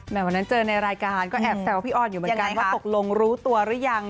วันนั้นเจอในรายการก็แอบแซวพี่ออนอยู่เหมือนกันว่าตกลงรู้ตัวหรือยัง